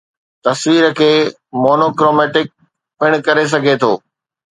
تصوير کي monochromatic پڻ ڪري سگھي ٿو